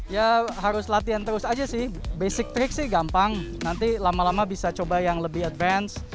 ya harus latihan terus aja sih basic trick sih gampang nanti lama lama bisa coba yang lebih advance